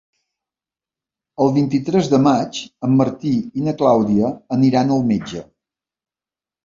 El vint-i-tres de maig en Martí i na Clàudia aniran al metge.